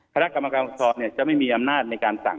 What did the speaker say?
คณะกรรมการสอบจะไม่มีอำนาจในการสั่ง